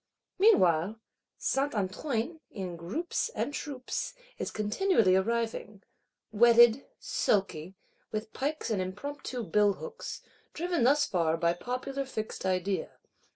Meanwhile, Saint Antoine, in groups and troops, is continually arriving; wetted, sulky; with pikes and impromptu billhooks: driven thus far by popular fixed idea.